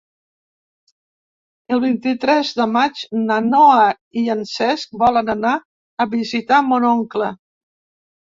El vint-i-tres de maig na Noa i en Cesc volen anar a visitar mon oncle.